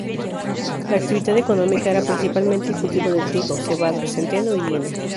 La actividad económica era principalmente el cultivo de trigo, cebada, centeno y lino.